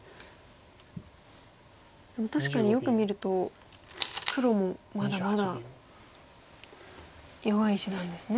でも確かによく見ると黒もまだまだ弱い石なんですね。